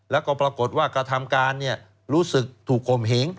แล้วก็ปรากฏว่ากระทำการรู้สึกถูกข่มเหง